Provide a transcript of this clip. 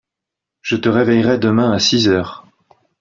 je te réveillerai demain à six heures.